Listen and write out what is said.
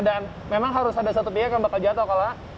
dan memang harus ada satu pihak yang bakal jatuh